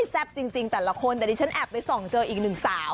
จริงแต่ละคนแต่ดิฉันแอบไปส่องเจออีกหนึ่งสาว